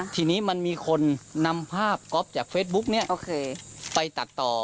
ทีนี้มันมีคนนำภาพก๊อฟจากเฟซบุ๊กเนี่ยไปตัดต่อ